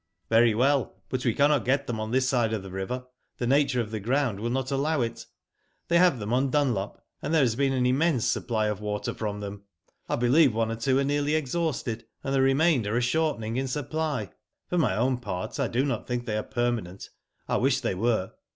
*' Very well, but we cannot get them on this side of the river, the nature of the ground will not allow it. They have them on Dunlop, and there has been an immense supply of water from them. I believe one or two are nearly exhausted, and the remainder are shortening in supply. For my own part, I do not think they are permanent. I wish they were."